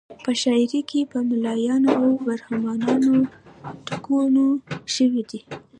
په شاعري کې په ملایانو او برهمنانو ټکونه شوي دي.